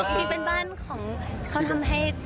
พี่เป็นบ้านของเขาทำให้